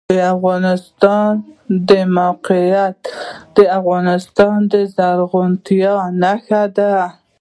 د افغانستان د موقعیت د افغانستان د زرغونتیا نښه ده.